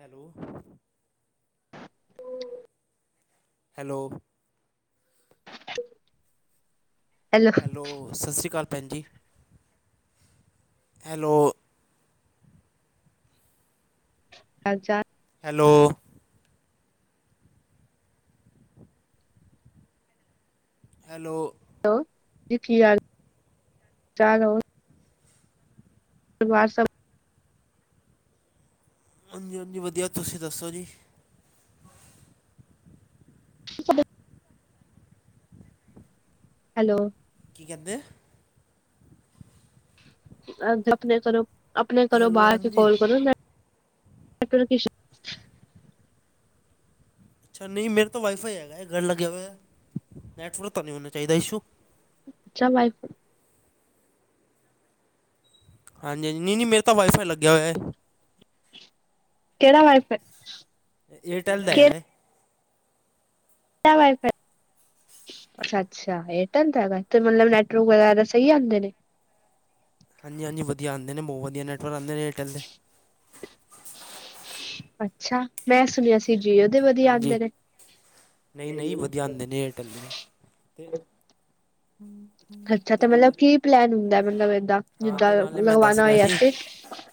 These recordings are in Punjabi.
ਹੈਲੋ। ਉਹ ਹੈਲੋ। ਹੈਲੋ ਸਤਿ ਸ਼੍ਰੀ ਅਕਾਲ ਭੈਣ ਜੀ ਹੈਲੋ। ਚ ਹੈਲੋ। ਹੈਲੋ। ਹੈਲੋ ਕੀ ਹਾਲ ਕਿਆ ਹਾਲ ਹੋ ਪਰਿਵਾਰ ਸ ਹਾਂਜੀ ਹਾਂਜੀ ਵਧੀਆ ਤੁਸੀਂ ਦੱਸੋ ਜੀ? ਡ ਹੈਲੋ। ਕੀ ਕਹਿੰਦੇ ਅ ਆਪਣੇ ਘਰੋਂ ਆਪਣੇ ਘਰੋਂ ਹੈਲੋ ਬਾਹਰ ਕੇ ਹਾਂਜੀ ਕਾਲ ਕਰੋ। ਅੱਛਾ ਨਹੀਂ ਮੇਰੇ ਤਾਂ ਵਾਈਫਾਈ ਹੈਗਾ ਹੈ ਘਰ ਲੱਗਿਆ ਹੋਇਆ ਨੈਟਵਰਕ ਤਾਂ ਨਹੀਂ ਹੋਣਾ ਚਾਹੀਦਾ ਇਸ਼ੂ। ਅੱਛਾ ਵਾਈਫ ਹਾਂਜੀ ਹਾਂਜੀ ਨਹੀਂ ਮੇਰਾ ਵਾਈਫਾਈ ਲੱਗਿਆ ਹੋਇਆ। ਹੈ ਕਿਹੜਾ ਮ ਏਅਰਟੈਲ ਦਾ ਹੈ। ਕਿਹੜਾ ਵਾਈਫਾਈ ਅੱਛ ਅੱਛਾ, ਏਅਰਟੈਲ ਤੇ ਹੈਗਾ ਮਤਲਬ ਨੈਟਵਰਕ ਵਗੈਰਾ ਸਹੀ ਆਉਂਦੇ ਨੇ। ਹਾਂਜੀ ਹਾਂਜੀ, ਵਧੀਆ ਆਂਦੇ ਨੇ ਬਹੁ ਵਧੀਆ ਨੈਟਵਰਕ ਆਉਂਦੇ ਨੇ। ਏਅਰਟੈੱਲ ਦੇ ਅੱਛਾ ਮੈਂ ਸੁਣਿਆ ਓਦੇ ਵਧੀਆ ਹਾਂਜੀ ਆਉਂਦੇ ਨੇ। ਏਅਰਟੱਲ ਨੇ ਅਤੇ ਹਮ ਹਮ। ਅੱਛਾ ਤੇ ਮਤਲਬ ਕੀ ਪਲੈਨ ਹੁੰਦਾ ਮਤਲਬ ਏਦਾਂ ਹਾਂ ਜਿੱਦਾਂ ਲਗਵਾਉਣਾ ਹੋਏੇ।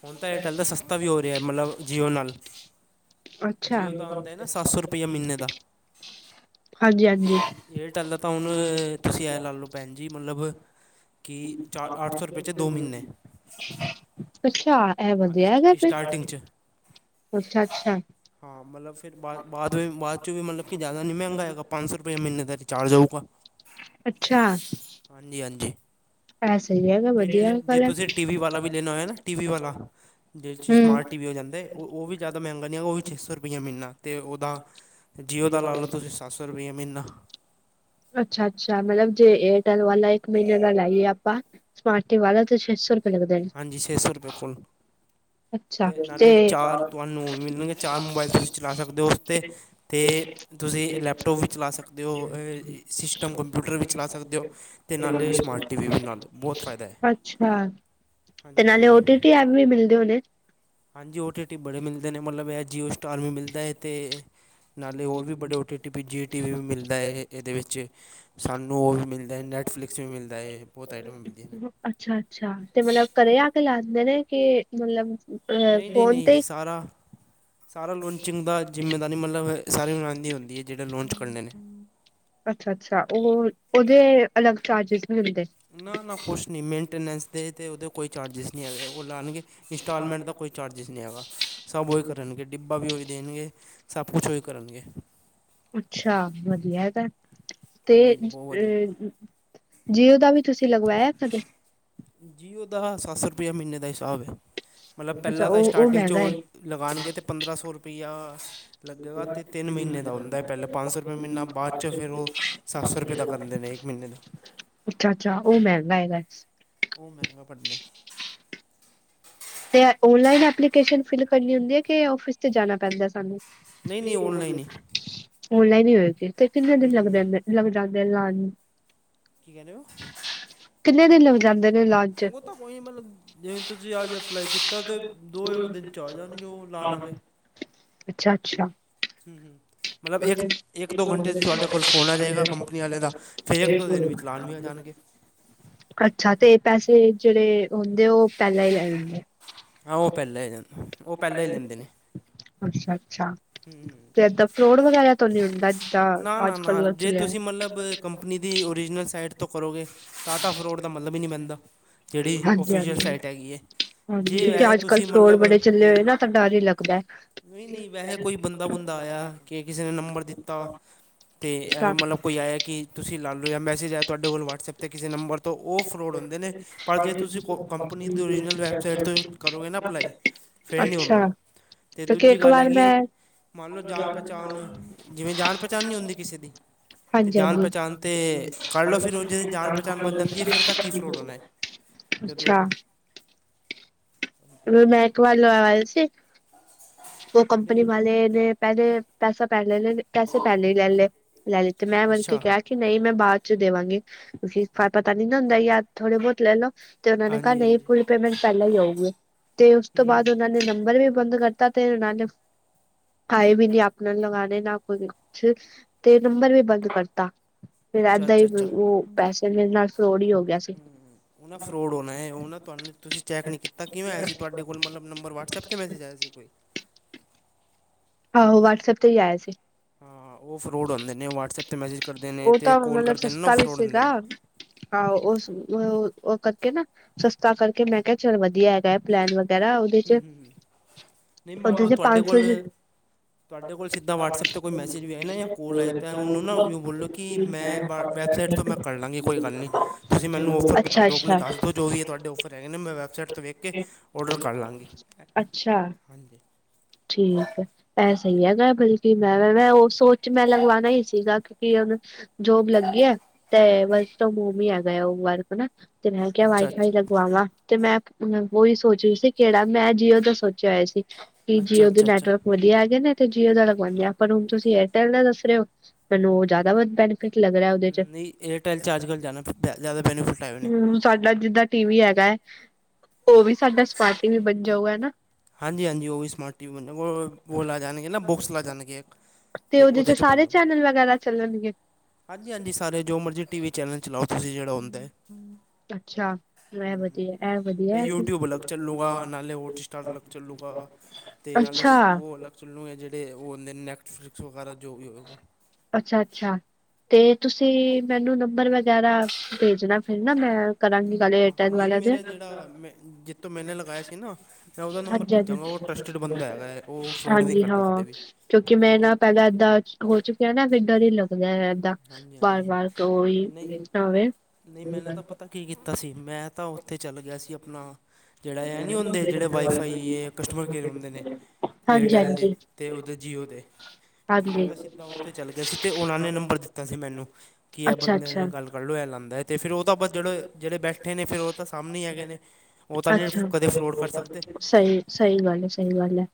ਹੁਨ ਤਾਂ ਏਅਰਟੈੱਲ ਦਾ ਸਸਤਾ ਵੀ ਹੋ ਰਿਹਾ ਮਤਲਬ ਜੀਓ ਨਾਲ। ਅੱਛਾ ਜੀਓ ਦਾ ਆਉਦਾ ਹੈ ਨਾ ਸੱਤ ਸੌ ਰੁਪਈਆ ਮਹੀਨੇ ਦਾ। ਹਾਂਜੀ ਹਾਂਜੀ ਏਅਰ ਟਲ ਤਾਂ ਹੁਣ ਤੁਸੀਂ ਐ ਲਾ ਲੋ ਭੈਣ ਜੀ ਮਤਲਬ ਕਿ ਚਾਰ ਅੱਠ ਸੌ ਰੁਪਏ 'ਚ ਦੋ ਮਹੀਨੇ ਅੱਛਾ ਇਹ ਹਾਂ ਵਧੀਆ ਇਸਟ ਗਾ ਫਿਰ ਸਟਾਰਟਿੰਗ 'ਚ ਅੱਛਾ ਅੱਛਾ। ਹਾਂ ਮਤਲਬ ਫਿਰ ਬਾਦ ਬਾਅਦ ਬਾਅਦ ਚ ਵੀ ਮਤਲਬ ਕਿ ਜ਼ਿਆਦਾ ਨ ਨਹੀਂ ਮਹਿੰਗਾ ਹੈਗਾ ਪੰਜ ਸੌ ਰੁਪਇਆ ਮਹੀਨੇ ਦਾ ਰਿਚਾਰਜ ਹੋਊਗਾ। ਅੱਛਾ, ਹਾਂਜੀ ਹਾਂਜੀ, ਐ ਸਹੀ ਹੈਗਾ ਤੇ ਜੇ ਵਧੀਆ ਜੇ ਗੱਲ ਹੈ ਤੁਸੀਂ ਟੀ ਵੀ ਵਾਲਾ ਵੀ ਲੈਣਾ ਹੋਇਆ ਨਾ ਟੀ ਵੀ ਵਾਲਾ। [inaudible] ਜਿਵੇਂ ਸਮਾਰਟ ਹੂੰ। ਟੀ ਵੀ ਹੋ ਜਾਂਦੇ ਉਹ ਵੀ ਜ਼ਿਆਦਾ ਮਹਿੰਗਾ ਨਹੀਂ ਹੈਗਾ ਉਹ ਵੀ ਛੇ ਸੌ ਰੁਪਇਆ ਮਿਲਣਾ ਤੇ ਉਹਦਾ ਜੀਓ ਦਾ ਲਾ ਲਓ ਤੁਸੀਂ ਸੱਤ ਸੌ ਰੁਪਇਆ ਮਹੀਨਾ। ਅੱਛਾ ਅੱਛਾ, ਮਤਲਬ ਜੇ ਏਅਰਟੈਲ ਵਾਲਾ ਇੱਕ ਮਹੀਨੇ ਦਾ ਲਾਈਏ ਆਪਾਂ ਸਮਾਰਟ ਟੀ ਵਾਲਾ ਤੇ ਛੇ ਸੌੁ ਹਾਂਜੀ, ਛੇ ਸੌ ਰੁਪਏ ਫੋੱਲ। ਤੇ ਨਾਲੇ ਚਾਰ ਤੁਆਨੂੰ ਮਿਲਨਗੇ ਚਾਰ ਮੋਬਾਈਲ ਤੁਸੀਂ ਚਲਾ ਸਕਦੇ ਓ ਤੇ ਤੇ ਤੁਸੀ ਲੈਪਟੋਪ ਵੀ ਚਲਾ ਸਕਦੇ ਓ ਅ ਸਿਸਟਮ ਕੰਪਿਊਟਰ ਵੀ ਚਲਾ ਸਕਦੇ ਓ ਤੇ ਨਾਲੇ ਸਮਾਰਟ ਟੀ ਵੀ ਨਾਲੇ ਬੌਤ ਫਾਇਦਾ ਐ। ਅੱਛਾ, ਤੇ ਨਾਲੇ ਓਟੀਟੀ ਐਪ ਵੀ ਮਿਲਦੇ ਹੋਣੇ। ਹਾਂਜੀ, ਓ ਟੀ ਟੀ ਬੜੇ ਮਿਲਦੇ ਨੇ ਮਤਲਬ ਐ ਜੀਓ ਸਟਾਰ ਵੀ ਮਿਲਦਾ ਏ ਤੇ ਨਾਲੇ ਹੋਰ ਵੀ ਬੜੇ O T T V G T V ਮਿਲਦਾ ਏ ਇਦੇ ਵਿੱਚ ਸਾਨੂੰ ਓ ਵੀ ਮਿਲਦਾ ਨੈੱਟਫਲਿਕਸ ਵੀ ਮਿਲਦਾ ਏ ਬੌਤ ਆਈਟਮਾਂ ਮਿਲਦੀਆਂ ਨੇ। ਅੱਛਾ-ਅੱਛਾ ਤੇ ਮਤਲਬ ਘਰੇ ਆ ਕੇ ਲਾ ਦਿੰਦੇ ਨੇ ਕਿ ਮਤਲਬ ਅ ਨਈ, ਨਈ, ਫੋਨ ਨਈ, ਤੇ ਸਾਰਾ ਸਾਰਾ ਲੋਂਚਿੰਗ ਦਾ ਜ਼ਿੰਮੇ ਪਤਾ ਨੀ ਮਤਲਬ ਸਾਰੀ [unintelligible] ਹੁੰਦੀ ਏ ਜੇੜੇ ਲੋਂਚ ਕਰਨੇ ਨੇ। ਅੱਛਾ-ਅੱਛਾ, ਓ ਓਦੇ ਅਲੱਗ ਚਾਰਜਿਜ ਨੀ ਹੁੰਦੇ। ਨਾ-ਨਾ ਕੁਛ ਨੀ ਮੇਂਟੇਨੈਸ ਦੇ ਤੇ ਉਦੇ ਕੋਈ ਚਾਰਜਿਜ ਨੀ ਹੈਗੇ ਓ ਲਾਣਗੇ ਇੰਸਟਾਲਮੈਂਟ ਦਾ ਕੋਈ ਚਾਰਜਿਜ ਨਈ ਹੈਗਾ ਸਬ ਓ ਹੀ ਕਰਨਗੇ। ਡਿੱਬਾ ਵੀ ਓਹੀ ਦੇਣਗੇ ਸਬ ਕੁਛ ਓਹੀ ਕਰਨਗੇ। ਅੱਛਾ, ਵਦੀਆ ਤਾਂ ਤੇ ਹਾਂਜੀ-ਹਾਂਜੀ ਬਹੁਤ ਵਧੀਆ ਅ ਜੀਓ ਦਾ ਵੀ ਤੁਸੀਂ ਲਗਵਾਇਆ ਕਦੇ? ਜੀਓ ਦਾ ਸੱਤ ਸੌ ਰੁਪਇਆ ਮਹੀਨੇ ਦਾ ਹਿਸਾਬ ਏ। ਮਤਲਬ ਅੱਛਾ ਪੈਲਾਂ ਤਾਂ ਉਹ ਉਹ ਸਟਾਰਟਿੰਗ ਚ ਮਹਿੰਗਾ ਓ ਹੈ ਲਗਾਣਗੇ ਤਾਂ ਪੰਦਰਾਂ ਸੌ ਰੁਪਇਆ ਲੱਗੇਗਾ ਤੇ ਤਿੰਨ ਮਹੀਨੇ ਦਾ ਹੁੰਦਾ ਪੈਲਾਂ ਪੰਜ ਸੌ ਰੁਪਏ ਮਹੀਨਾ ਬਾਦ ਚ ਫਿਰ ਓ ਸੱਤ ਸੌ ਰੁਪਏ ਦਾ ਕਰਦੇ ਨੇ। ਮਹੀਨੇ ਦਾ। ਅੱਛਾ-ਅੱਛਾ, ਓ ਮੈਂਗਾ ਹੈਗਾ। ਓ ਮਹਿੰਗਾ ਪੈਂਦਾ। ਤੇ ਐ ਓਨਲਾਈਨ ਐਪਲੀਕੇਸ਼ਨ ਫਿਲ ਕਰਨੀ ਹੁੰਦੀ ਐ ਕੇ ਓਫਿਸ ਤੇ ਜਾਣਾ ਪੈਂਦਾ ਸਾਨੂੰ ਨਹੀਂ-ਨਹੀਂ ਔਨਲਾਈਨ ਹੀ ਓਨਲਾਈਨ ਈ ਹੋਏਗੀ ਤੇ ਕਿੰਨੇ ਹੂੰ ਦਿਨ ਹੂੰ ਲੱਗਦੇ ਏਦੇ। [unintelligible] ਕੀ ਕੈ ਰੇ ਓ? ਕਿੰਨੇ ਦਿਨ ਲਗ ਜਾਂਦੇਨ? ਓ ਤਾਂ ਕੋਈ ਨੀ ਮਤਲਬ ਜਿਵੇ ਤੁਸੀਂ ਅੱਜ ਅਪਲਾਈ ਕੀਤਾ ਤੇ ਦੋ-ਇੱਕ ਦਿਨ ਚ ਆ ਜਾਣਗੇ ਓ ਲਾਣ ਆਲੇ। ਅੱਛਾ-ਅੱਛਾ। ਹੂੰ-ਹੂੰ। ਮਤਲਬ ਇੱਕ, ਇੱਕ-ਦੋ ਘੰਟੇ ਚ ਤੁਆਡੇ ਕੋਲ ਫੋਨ ਆ ਜੇਗਾ ਕੰਪਨੀ ਆਲੇ ਦਾ ਫਿਰ ਇੱਕ-ਦੋ ਦਿਨ ਵਿੱਚ ਲਾਣ ਵੀ ਆ ਜਾਣ ਗੇ। ਅੱਛਾ, ਤੇ ਪੈਸੇ ਜੇੜੇ ਹੁੰਦੇ ਓ ਪੈਲਾਂ ਈ ਲੈ ਲੈਂਦੇ। ਹਾਂ ਓ ਪੈਲਾਂ ਈ ਲੈਨ ਓ ਪੈਲਾਂ ਈ ਲੈਂਦੇ ਨੇ ਅੱਛਾ-ਅੱਛਾ, ਤੇ ਏਦਾਂ ਫਰੋਡ ਵਗੈਰਾ ਤੋਂ ਨੀ ਹੁੰਦਾ ਜਿੱਦਾਂ ਨਾ, ਨਾ, ਅੱਜ ਨਾ, ਕੱਲ ਜੇ ਚਲਿਆ ਤੁਸੀਂ ਮਤਲਬ ਕੰਪਨੀ ਦੀ ਓਰੀਜਨਲ ਸਾਈਟ ਤੋਂ ਕਰੋਗੇ ਤਾ ਤਾ ਫਰੋਡ ਦਾ ਮਤਲਬ ਈ ਨਈ ਬਣਦਾ ਜੇੜੀ ਹਾਂਜੀ-ਹਾਂਜੀ ਓਫੀਸ਼ੀਅਲ ਹਾਂਜੀ ਸਾਈਟ ਹੈਗੀ ਏ। ਹਾਂਜੀ, ਜੇ ਕਿਉਂਕਿ ਵੈਹੇ ਅੱਜ ਕੱਲ੍ਹ ਤੁਸੀਂ ਫਰੋਡ ਮਤਲਬ ਬੜੇ ਚੱਲੇ ਏ ਹੋਏ ਨਾ ਤਾਂ ਡਰ ਹੀ ਲੱਗਦਾ। ਨਈ-ਨਈ ਵੈਹੇ ਕੋਈ ਬੰਦਾ ਬੁੰਦਾ ਆਇਆ ਕੇ ਕਿਸੇ ਨੇ ਨੰਬਰ ਦਿੱ ਤਾਂ ਤੇ ਐਵੇਂ ਮਤਲਬ ਕੋਈ ਆਇਆ ਕਿ ਤੁਸੀਂ ਲਾ ਲਓ ਯਾ ਮੈਸੇਜ ਆਇਆ ਤੁਆਡੇ ਕੋਲ ਵਟਸਐਪ ਤੇ ਕਿਸੇ ਨੰਬਰ ਤੋ ਓ ਫਰੋਡ ਹੁੰਦੇ ਨੇ ਪਰ ਜੇ ਤੁਸੀਂ ਕੋ ਕੰਪਨੀ ਦੀ ਓਰੀਜਨਲ ਵੈੱਬਸਾਈਟ ਤੋਂ ਕਰੋਗੇ ਨਾ ਅਪਲਾਈ ਫਿਰ ਨੀ ਹੁੰਦਾ ਅੱਛਾ, ਤੇ ਕਿਉਂਕਿ ਦੁਜੀ ਇੱਕ ਗੱਲ ਵਾਰ ਹੈਗੀ ਏ, ਮੈਂ ਮਨ ਲਓ ਜਾਣ ਪਹਿਚਾਣ ਜਿਵੇਂ ਜਾਣ ਪਹਿਚਾਣ ਨਈ ਹੁੰਦੀ ਕਿਸੇ ਦੀ ਅਤੇ ਜਾਣ ਹਾਂਜੀ-ਹਾਂਜੀ। ਪਹਿਚਾਣ ਤਾਂ ਕਰ ਲਓ ਫਿਰ ਉਹ ਜੇ ਜਾਣ ਪਹਿਚਾਣ ਬਣ ਜਾਂਦੀ ਹੈ ਫਿਰ ਤਾਂ ਕੀ ਫਰੋਡ ਹੋਣਾ ਹੈ ਜਦੋਂ ਅੱਛਾ। [inaudible] ਮੈਂ ਇੱਕ ਵਾਰ ਲਵਾਏ ਸੀ। ਉਹ ਨਹੀਂ ਕੰਮਪਨੀ ਵਾਲੇ ਨੇ। ਪਹਿਲੇ ਪੈਸਾ ਪੈ ਲੈ [unintelligible] ਤੇ ਮੈਂ ਬਲਕਿ ਕੇ ਅੱਛਾ ਕਿਹਾ। ਕਿ ਨਈ ਮੈਂ ਬਾਦ ਚ ਦੇਵਾਂਗੀ। ਕਿਉਂਕੀ ਕਾਰ ਪਤਾ ਨੀ ਨਾ ਹੁੰਦਾ ਯਾਰ ਥੋੜੇ ਬਹੁਤ ਲੈ ਲਓ। ਤੇ ਉਹਨਾਂ ਨੇ ਕਾ ਹਾਂਜੀ ਨਈ ਹਾਂਜੀ ਫੁਲ ਪੇਮੈਂਟ ਪਹਿਲਾਂ ਹੀ ਆਊਗੀ। ਤੇ ਉਸ ਤੋਂ ਹੂੰ ਬਾਅਦ ਉਹਨਾਂ ਨੇ ਨੰਬਰ ਵੀ ਬੰਦ ਕਰ ਤਾ ਤੇ ਨਾਲੇਫ। ਆਏ ਵੀ ਨੀ ਆਪਨੇ ਲਗਾਨੇ ਨਾ ਕੋਈ ਕੁਛ, ਤੇ ਨੰਬਰ ਵੀ ਬੰਦ ਕਰਤਾ। ਫਿਰ ਏਦਾਂ ਹੀ ਅੱਛਾ-ਅੱਛਾ-ਅੱਛਾ ਉਹ ਹੁੰ, ਪੈਸੇ ਮੇਰੇ ਨਾਲ ਫਰੋਡ ਹੀ ਹੋ ਗਿਆ ਸੀ ਉਹ ਨਾ ਫਰੋਡ ਹੋਨਾ ਐ, ਉਹ ਨਾ ਤੁਹਾਨੂੰ। ਤੁਸੀਂ ਚੈਕ ਨੀ ਕੀਤਾ ਕਿਵੇਂ ਇਆ ਸੀ ਤੁਹਾਡੇ ਕੋਲ ਮਤਲਬ ਨੰਬਰ ਵਟਸਐਪ ਤੇ ਮੈਸੇਜ ਆਇਆ ਸੀ ਕੋਈ। ਆਹੋ ਵਟਸਐਪ ਤੇ ਹੀ ਆਇਆ ਸੀ। ਹਾਂ, ਉਹ ਫਰੋਡ ਹੁੰਦੇ ਨੇ ਵਟਸਐਪ ਤੇ ਮੈਸੇਜ। ਕਰਦੇ ਨੇ ਉਹ ਅਤੇ ਤਾਂ ਕੋਲ ਮਤਲਬ ਕਰਦੇ ਨੇ ਨਾ ਉਹ ਸਸਤਾ ਵੀ ਫਰੋਡ ਹੁੰਦੇ ਸੀਗਾ। ਨੇ ਆਹੋ ਉਹ ਸ ਉਹ ਕਰਕੇ ਨਾ ਸਸਤਾ ਕਰਕੇ ਮੈਂ ਕਿਹਾ ਚੱਲ ਵਧੀਆ ਹੈਗਾ। ਪਲੈਨ ਵਗੈਰਾ ਉਹਦੇ ਚ ਹੁੰ-ਹੁੰ-ਹੁੰ ਨਈ ਮੰਨ ਉਹਦੇ ਲੋ ਚ ਤੁਹਾਡੇ ਪੰਜ ਸੌ ਕੋਲ ਤੁਹਾਡੇ ਕੋਲ ਸਿੱਧਾ ਵਟਸਐਪ ਤੇ ਕੋਈ ਮੈਸੇਜ ਵੀ ਆਏ ਨਾ ਯਾ ਕੋਲ ਆਏ ਤਾਂ ਉਹਨੂੰ ਨਾ ਓਯਿਓ ਬੋਲੋ ਕਿ ਮੈਂ ਬ ਵੈੱਬਸਾਈਟ ਤੋਂ ਮੈਂ ਕਰ ਲਾਂਗੀ ਕੋਈ ਗੱਲ ਨੀ। ਤੁਸੀਂ ਮੈਨੂੰ ਔਫਰ ਬਤਾ ਦੋ, ਆਪਣੇ ਅੱਛਾ ਅੱਛਾ ਦੱਸ ਦੋ ਜੋ ਵੀ ਐ ਤੁਹਾਡੇ ਔਫਰ ਹੇਗੇ ਨੇ ਮੈਂ ਵੈੱਬਸਾਈਟ ਤੋਂ ਵੇਖ ਕੇ ਔਡਰ ਕਰ ਲਾਂਗੀ, ਅੱਛਾ ਹਾਂਜੀ। ਠੀਕ ਐ। ਏਹ ਅਤੇ ਸਈ ਹੈਗਾ ਬਲਕਿ ਮੈਂ ਮੈਂ ਉਹ ਸੋਚ ਮੈਂ ਲਗਵਾਨਾ ਈ ਸੀਗਾ ਕਿਉਂਕਿ ਉਹ ਜੋਬ ਲੱਗ ਗੇਆ, ਤੇ ਵਰਕ ਫਰੋਮ ਹੋਮ ਈ ਹੇਗਾ। ਉਹ ਵਰਕ ਨਾ ਤੇ ਮੈਂ ਕਿਹਾ ਅੱਛਾ ਵਾਈਫਾਈ ਅੱਛਾ ਲਗਵਾਵਾਂ। ਤੇ ਮੈਂ ਹੁੰ ਉਹੀ ਸੋਚ ਰੀ ਸੀ ਕਿਹੜਾ, ਮੈਂ ਜੀਓ ਦਾ ਸੋਚਿਆ ਹੋਇਆ ਸੀ। ਬੀ ਅੱਛਾ ਜੀਓ ਦੇ ਅੱਛਾ ਅੱਛਾ ਨੈਟਵਰਕ ਵਧੀਆ ਹੇਗੇ ਨੇ। ਤੇ ਜੀਓ ਦਾ ਲਗਵਾਂਦੇ ਆਂ ਪਰ ਹੁਣ ਤੁਸੀਂ ਏਅਰ ਟੇਲ ਦਾ ਦੱਸ ਰੇ ਓ ਮੈਨੂੰ ਉਹ ਜ਼ਦਾੱ ਵ ਬੈਨਿ ਟ ਲਗ ਰਾ। ਨਈ ਏਅਰਟੇਲ 'ਚ ਅੱਜ ਕੱਲ ਜਾਦਾ [unintelligible] ਜ਼ਿਆਦਾ ਬੈਨੀਫਿਟ ਹੈਏ ਉਹਨੇ ਤੁਹਾਡਾ ਜਿੱਦਾ ਟੀਵੀ ਹੈਗਾ ਐ, ਉਹ ਵੀ ਸਾਡਾ ਸਮਾਰਟ ਟੀਵੀ ਬਨ ਜਾਊਗਾ ਨਾ? ਹਾਂਜੀ-ਹਾਂਜੀ ਓਵੀ ਸਮਾਰਟ [unintelligible] ਉਹ ਲੈ ਜਾਨਗੇ ਨਾ, ਬੁਕਸ ਲੈ ਜਾਨਗੇ ਤੇ ਉਹਦੇ ਬਨੋ ਰਾ ਚੱਲਨਗੇ ਹਾਂਜੀ-ਹਾਂਜੀ ਸਾਰੇ ਜੋ ਮਰਜ਼ੀ ਟੀਵੀ ਚੈਨਲ ਚਲਾਓ। ਤੁਸੀਂ ਜਿਹੜਾ ਹੁੰਦਾ ਐ। ਅੱਛਾ ਮੈਂ ਵਧੀਆ, ਐ ਵਧੀਆ ਫੇ [unintelligible] ਤੇ ਨਾਲੇ ਸੁ ਅੱਛਾ, ਉਹ ਅਲਗ ਚੁ ਨੇ ਜਿਹੜੇ ਓ ਨੈਕ ਫਰਿਕਸ ਵਗੈਰਾ ਜੋ ਵੀ ਹੋਏਗਾ ਅੱਛਾ-ਅੱਛਾ। ਤੇ ਤੁਸੀਂ ਮੈਨੂੰ ਨੰਬਰ ਵਗੈਰਾ ਭੇਜਨਾ ਫੇਰ ਨਾ ਮੈਂ ਕਰਾਂਗੀ ਗੱਲ ਏਅਰ ਟੇਲ ਵਾਲੇਆਂ ਤੇ ਜਿੱਤੋਂ ਮੈਨੇ ਲਗਾਆ ਸੀ ਨਾ। ਮੈਂ ਉਹਦਾ ਨੰਬਰ ਹਾਂਜੀ-ਹਾਂਜੀ, ਭੇਜਾਂਗਾ ਉਹ ਟਰਸਟਡ ਬੰਦਾ ਹੈਗਾ ਹੈ ਉਹ ਫਰੋਡ ਨਹੀਂ ਹਾਂਜੀ ਕਰਦਾ ਹਾਂ ਕਦੇ ਵੀ ਕਿਉਂਕਿ ਉਹ ਮੈਂ ਤਾਂ ਨਾ ਪਹਿਲਾਂ ਏਦਾਂ ਹੋ ਚੁੱਕਿਆ ਨਾ ਫਿਰ ਡਰ ਈ ਲੱਗਦਾਏ ਇਦਾਂ ਹਾਂਜੀ ਹਾਂਜੀ ਵਾਰ-ਵਾਰ ਕੋਈ ਨਿਪਟਾਵੇ ਨਈ ਮੈਨੇ ਤਾਂ ਪਤਾ ਕੀ ਕੀਤਾ ਸੀ ਮੈਂ ਤਾਂ ਉੱਥੇ ਚੱਲ ਗਿਆ ਸੀ ਆਪਨਾ। ਜਿੜਾ ਐ ਨੀ ਹੁੰਦੇ ਜੇੜੇ ਵਾਈ-ਫਾਈ ਹਾਂਜੀ ਏ ਕਸਟਮਰ ਕੇਅਰ ਹੁੰਦੇ ਨੇ। ਏਅਰਟੈੱਲ ਦੇ ਹਾਂਜੀ ਤੇ ਉੱਦੇ ਜੀਓ ਦੇ। ਮੈਂ ਹਾਂਜੀ ਤਾਂ ਸਿੱਧਾ ਉੱਥੇ ਚੱਲ ਗਿਆ ਸੀ ਤੇ ਉਹਨਾਂ ਨੇ ਨੰਬਰ ਦਿੱਤਾ ਸੀ ਮੈਨੂੰ ਕੀ ਇਹ ਅੱਛਾ ਬੰਦੇ ਅੱਛਾ ਨੇ ਗੱਲ ਕਰ ਲਓ ਇਹ ਲਾਂਦਾਏ ਤੇ ਫੇਰ ਉਹ ਟਾ ਆਪਾ ਜਿਹੜੇ, ਜਿਹੜੇ ਬੈਠੇ ਨੇ ਫਿਰ ਉਹ ਤਾਂ ਸਾਹਮਨੇ ਈ ਹੈਗੇ ਨੇ। ਉਹ ਤਾਂ ਨਹੀਂ ਅੱਛਾ, ਕਦੇ ਫਰੋਡ ਕਰ ਸਕਦੇ ਸਈ-ਸਈ ਗੱਲ ਏ, ਸਈ ਗੱਲ ਐ।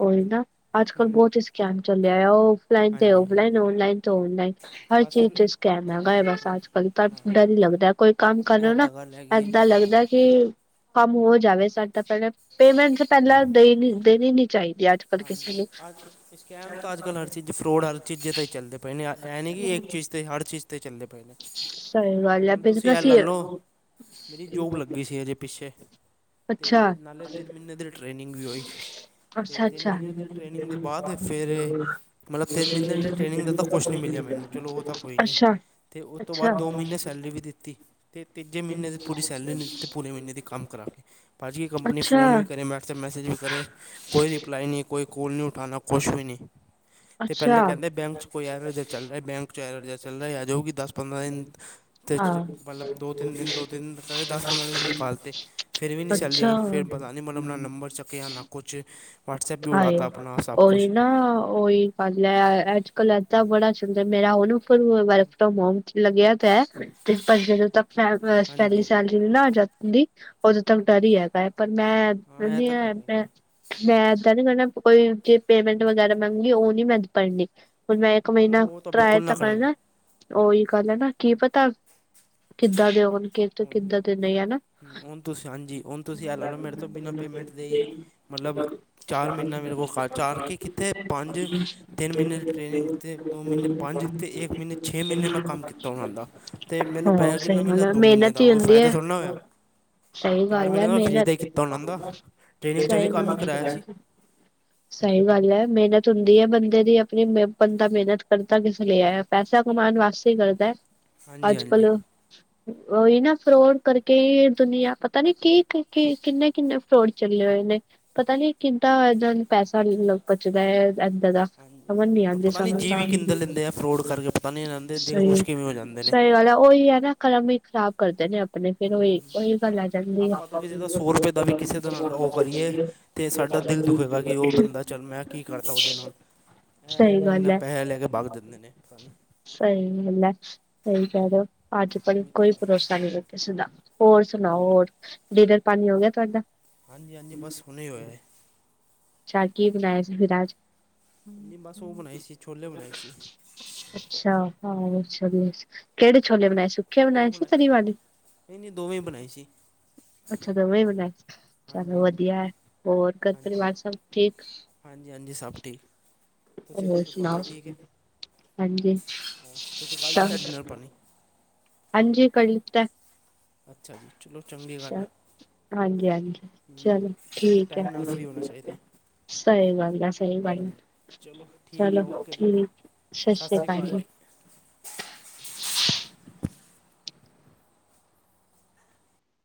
ਓਹੀ ਨਾ ਅੱਜ ਕੱਲ ਹੂੰ, ਬੋਤ ਈ ਸਕੈਮ ਚੱਲਿਆ ਐ। ਔਫਲਾਈਨ ਤੇ ਹਾਂਜੀ ਹਾਂਜੀ ਔਫਲਾਈਨ, ਔਨਲਾਈਨ ਔਨਲਾਈਨ ਹਰ ਬਸ ਚੀਜ਼ ਫਿਰ ਚ ਸਕੈਮ ਹੈਗਾ ਐ ਬਸ ਹਾਂਜੀ ਅੱਜ-ਕੱਲ ਤਾਂ ਹਾਂ ਡਰ ਈ ਲੱਗਦਾਏ। ਕੋਈ ਕੰਮ ਕਰੋ ਇਹ ਨਾ ਤਾਂ ਗੱਲ ਹੈਗੀ ਹੈ ਏਦਾਂ ਲੱਗਦਾ ਕਿ ਕੰਮ ਹੋ ਜਾਵੇ ਸਾਡਾ ਪਹਿਲਾਂ, ਪੇਮੈਂਟ ਤਾਂ ਪਹਿਲਾਂ ਦੇਨੀ, ਦੇਨੀ ਨੀ ਚਾਹੀਦੀ ਅੱਜ ਕੱਲ ਕਿਸੇ ਹਾਂਜੀ-ਹਾਂਜੀ ਨੂੰ ਅੱਜ ਸਕੈਮ ਤਾਂ ਅੱਜ-ਕੱਲ ਹਰ ਚੀਜ਼ ਫਰੋਡ, ਹਰ ਚੀਜ਼ ਤ ਈ ਚੱਲਦੇ ਪਏ ਨੇ ਐ ਨਈ ਕਿ ਇੱਕ ਚੀਜ਼ ਤੇ ਹਰ ਚੀਜ਼ 'ਤੇ ਚੱਲਦੇ ਪਏ ਨੇ। ਸਹੀ ਗੱਲ ਹੈ ਹੁਣ ਤੁਸੀਂ ਐ ਬਿਜਨਸ ਹੀ ਲਾ ਲਓ। ਮੇਰੀ ਜੋਬ ਲੱਗੀ ਸੀ, ਅਜੇ ਪਿੱਛੇ ਅਤੇ ਅੱਛਾ ਨਾਲੇ ਤਿੰਨ ਮਹੀਨੇ ਦੀ ਟ੍ਰੇਨਿੰਗ ਵੀ ਹੋ ਤੇ ਅੱਛਾ ਤਿੰਨ ਅੱਛਾ ਮਹੀਨਿਆਂ ਦੀ ਟ੍ਰੇਨਿੰਗ ਦੇ ਬਾਅਦ। ਫਿਰ ਮਤਲਬ ਤਿੰਨ ਮਹੀਨੇ ਦੀ ਟ੍ਰੇਨਿੰਗ ਦਾ ਤਾਂ ਕੁਛ ਨਹੀਂ ਮਿਲਿਆ ਮੈਨੂੰ। ਚਲੋ ਉਹ ਤਾਂ ਕੋਈ ਨਈ ਅੱਛਾ ਅਤੇ ਉਸ ਤੋਂ ਬਾਅਦ ਦੋ ਮਹੀਨੇ ਸੈਲਰੀ ਵੀ ਦਿੱਤੀ। ਅਤੇ ਤੀਜੇ ਮਹੀਨ ਦੀ ਪੂਰੀ ਸੈਲਰੀ ਨਹੀਂ ਦਿੱਤੀ ਤੇ ਪੂਰੇ ਮਹੀਨੇ ਦੀ ਕੰਮ ਕਰਾਕੇ। ਭਾਜੀ ਏ ਅੱਛਾ ਕੰਪਨੀ ਅੱਛਾ ਫੋਨ ਵੀ ਕਰੇ ਮੈਂ ਕਿਹਾ ਤੇ ਮੈਸੇਜ ਵੀ ਕਰੇ ਕੋਈ। ਰਿਪਲਾਈ ਨਹੀਂ, ਕੋਈ ਕੋਲ ਨਹੀਂ ਉਠਾਉਣਾ ਕੁਛ ਵੀ ਨਈ ਤੇ ਪਹਿਲੇ ਕਹਿੰਦੇ ਬੈਂਕ ' ਕੋਈ ਐਰਰ ਚੱਲ ਅੱਛਾ ਰਿਹਾ। ਬੈਂਕ 'ਚ ਐਰਰ ਚੱਲ ਰਿਹਾ ਜੋ ਵੀ ਦਸ ਪੰਦਰਾਂ ਦਿਨ ਅਤੇ ਮਤਲਬ ਦੋ ਤਿੰਨ ਦਿਨ, ਦੋ ਤਿੰਨ ਦਿ ਦਸ ਪੰਦਰਾਂ ਦਿਨ ਨਿਕਾਲਤੇ ਫਿਰ ਵੀ ਨਹੀਂ ਸੈਲ ਰੀ ਅੱਛਾ। ਆਈ ਫਿਰ ਪਤਾ ਨੀ ਮਲ ਹਮ ਨਾਲ ਨੰਬਰ ਚੱਕਿਆ ਨਾ ਕੁਚ ਹਾਂਏ ਰ ਨਾ ਉਹ ਓਹੀ ਪ ਲਿਆ ਅੱਜ ਕਲ ਅੱਧਾ ਬੜਾ ਚੁੰ ਮੇਰਾ ਉਹਨੂੰ ਫ ਵਰਕ ਫਰੋਮ ਹੋਮ ਲੱਗਿਆ ਤਾਂ ਹੈ ਤੇ ਪਰ ਜਦੋਂ ਤੱਕ ਪਹਿਲੀ ਸੈਲਰੀ ਨੀ ਆ ਜਾਦੀ ਕਦੀ ਉਦੋਂ ਤੱਕ ਡਰ ਹੀ ਹੈਗਾ ਹੈ। ਪਰ, ਮੈਂ ਇਹ ਕਹਿੰਦੀ ਤਾਂ ਕਰ ਹਾਂ ਮੈਂ ਲਈ ਮੈਂ ਨ ਕਰ ਕੋਈ ਜੇ ਪੇਮੈਂਟ ਵਗੈਰਾ ਮੰਗੀ ਉਹ ਨੀ ਮੈਂ ਪ ਹ ਮੈਂ ਇੱਕ ਨਾ ਨਾ ਮਹੀਨਾ ਉਹ ਤਾਂ ਟਰਇ ਬਿਲਕੁਲ ਤ ਨਾ ਕਰਨਾ। ਉਹੀ ਗੱਲ ਹੈ ਨਾ ਕੀ ਪਤਾ ਕਿੱਦਾਂ ਦੇ ਹੋਣ, ਕਿ ਹੁਣ ਹਮ, ਕਿੱਦਾਂ ਦੇ ਨੇ ਹਨਾ? ਹੁਣ ਤੁਸੀਂ ਹਾਂਜੀ ਹੁਣ ਤੁਸੀਂ ਐ ਲਾ ਲਓ ਮੇਰੇ ਤੋਂ ਬਿਨਾਂ ਪੇਮੈਂਟ ਦੇ ਹੀ ਮਤਲਬ ਚਾਰ ਮਹੀਨਾ ਮੇਰੇ ਕੋਲ ਖਰਚਾ ਕੇ ਕਿੱਥੇ ਪੰਜ ਤਿੰਨ ਮਹੀਨੇ ਦੀ ਟ੍ਰੇਨਿੰਗ ਅਤੇ ਦੋ ਮਹੀਨੇ ਪੰਜ ਅਤੇ ਇੱਕ ਮਹੀਨੇ ਛੇ ਮਹੀਨੇ ਮੈਂ ਕੰਮ ਕੀਤਾ ਉਹਨਾਂ ਦਾ। ਤੇ, ਮੈਨੂੰ ਹਾਂ ਪੈਸਾ ਕਿੰਨਾ ਸਹੀ ਗੱਲ ਮਿਲਿਆ ਐ। ਦੋ ਮਹੀਨੇ ਮਿਹਨਤ ਤਾਂ ਹੀ ਉਹ ਹੁੰਦੀ ਫਾਇਦਾ ਐ, ਥੋੜਾ ਨਾ ਹੋ ਏਆ। ਸਹੀ ਚਾਰ ਗੱਲ ਮਹੀਨੇ ਐ ਦਾ ਮੈਂ ਫਰੀ ਦਾ ਮਿਹਨਤ ਹੀ ਕੀਤਾ ਉਹਨਾਂ ਦਾ। ਟ੍ਰੇਨਿੰਗ 'ਚ ਉਹ ਵੀ ਕੰਮ ਹੀ ਕਰਵਾਇਆ ਸੀ। ਸਹੀ ਗੱਲ ਹੈ ਮਿਹਨਤ ਹੁੰਦੀ ਐ ਬੰਦੇ ਦੀ। ਆਪਣੀ ਮ ਬੰਦਾ ਮਿਹਨਤ ਕਰਦਾ ਕਿਸ ਲਈ ਆ। ਪੈਸਾ ਕਮਾਣ ਵਾਸਤੇ ਈ ਕਰਦਾ ਐ। ਹਾਂਜੀ ਅੱਜ ਕੱਲ ਹਾਂਜੀ ਉਹੀ ਨਾ ਫਰੋਡ ਕਰਕੇ ਦੁਨੀਆਂ ਪਤਾ ਨੀ ਕੀ ਕਿੰਨੇ, ਕਿੰਨੇ ਫਰੋਡ ਚੱਲੇ ਹੋਏ ਨੇ। ਪਤਾ, ਨੀ ਕਿੱਦਾਂ ਏਦਾਂ ਪੈਸਾ ਬਚਦਾ ਹੈ ਏਦਾਂ ਦਾ ਹਾਂਜੀ ਹਾਂਜੀ ਸਮਝ ਨੀ ਪਰ ਆਉਂਦੀ ਪਤਾ ਨਹੀਂ ਸਾਨੂੰ ਜੀ ਤਾਂ ਵੀ ਕਿੰਦਰ ਲੈਂਦੇ ਆ ਫਰੋਡ ਕਰਕੇ ਪਤਾ ਨਹੀਂ ਇਹਨਾਂ ਦੇ ਦਿਲ ਸਹੀ ਖੁਸ਼ ਕਿਵੇਂ ਹੋ ਜਾਂਦੇ ਨੇ ਸਹੀ ਗੱਲ ਹੈ ਉਹੀ ਹੈ ਨਾ ਕਲਮ ਹੀ ਖ਼ਰਾਬ ਕਰਦੇ ਨੇ ਆਪਣੇ ਫੇਿਰ ਉਹ ਹੂੰ ਹੂੰ। ਇੱਕ ਉਹੀ ਗੱਲ ਆ ਜਾਂਦੀ ਆ। ਆਪਾਂ ਤਾਂ ਕਿਸੇ ਦਾ ਸੌ ਰੁਪਏ ਦਾ ਵੀ ਕਿਸੇ ਦਾ ਨਾਲ ਉਹ ਕਰੀਏ ਤੇ ਸਾਡਾ ਦਿਲ ਦੁਖੇਗਾ ਕਿ ਉਹ ਬੰਦਾ ਚੱਲ ਮੈਂ ਕੀ ਕਰਤਾ ਉਹਦੇ ਨਾਲ [unintelligible] ਇਹ ਸਹੀ ਇੰਨਾ ਗੱਲ ਇੰਨਾ ਹੈ ਪੈਸੇ ਲੈ ਕੇ ਬਾਗ ਜਾਂਦੇ ਨੇ ਨ ਸਹੀ ਗੱਲ ਸਹੀ ਕ ਅੱਜ ਭਲ ਉਹੀ ਤਾਂ ਕੋਈ ਗੱਲ ਹੈ। ਭਰੋਸਾ ਨੀ। ਹੋਰ ਸੁਣਾਓ ਹੋਰ ਡਿਨਰ ਪਾਣੀ ਹੋ ਗਿਆ ਤੁਹਾਡਾ। ਹਾਂਜੀ ਹਾਂਜੀ ਬਸ ਹੁਣੇ ਹੀ ਹੋਇਆ ਹੈ। ਅੱਛਾ ਕੀ ਬਣਾਇਆ ਸੀ ਫਿਰ ਆਜ? ਨਹੀਂ ਬਸ ਉਹ ਬਣਾਈ ਸੀ। ਛੋਲੇ ਬਣਾਏ ਸੀ। ਅੱਛਾ, ਹਾਂ ਕਿਹੜੇ ਛੋਲੇ ਬਣਾਏ? ਸੁਕੇ ਬਣਾਏ ਸੀ ਤਰੀ ਵਾਲੇ? ਨਹੀਂ ਨਹੀਂ ਦੋਵੇਂ ਹੀ ਬਣਾਈ ਸੀ ਅੱਛਾ ਦੋਵੇਂ ਬਣਾ ਹਾਂਜੀ ਚਲੋ ਹਾਂਜੀ ਵਧੀਆ ਹਾਂਜੀ ਹੈ। ਹੋਰ ਘਰ ਹਾਂਜੀ ਪਰਿਵਾਰ ਸਭ ਠੀਕ? ਹਾਂਜੀ, ਹਾਂਜੀ ਸਭ ਠੀਕ ਤੁਸੀਂ ਹੋਰ ਦੱਸੋ ਤੁਹਾਡੇ ਸੁਣਾਓ ਠੀਕ ਹੈ? ਹਾਂਜੀ ਹੋ ਤੁਸੀਂ ਕਰ ਲਿਆ ਡਿਨਰ ਪਾਣੀ? ਹਾਜੀ, ਕਰ ਲੀਤਾ। ਅੱਛਾ ਜੀ, ਚਲੋ ਚੰਗੀ ਗੱਲ ਐ। ਹਾਂਜੀ, ਹਾਂਜੀ ਚਲੋ ਠੀਕ ਐ। ਟਾਈਮ ਨਾਲ ਫ੍ਰੀ ਹੋਣਾ ਚਾਹੀਦਾ ਹੈ ਸਹੀ ਗੱਲ ਆ ਸਹੀ ਗੱਲ ਹਾਂਜੀ ਚਲੋ ਠੀਕ ਹੈ ਚਲੋ ਓਕੇ ਜੀ ਠੀਕ। ਸਤਿ ਸ੍ਰੀ ਅਕਾਲ ਜੀ।